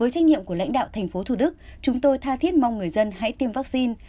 với trách nhiệm của lãnh đạo tp thủ đức chúng tôi tha thiết mong người dân hãy tiêm vaccine